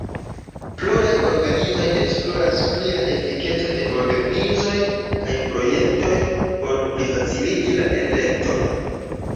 Pluraj organizoj esploras pri la efikeco de organizoj kaj projektoj por plifaciligi la elekton.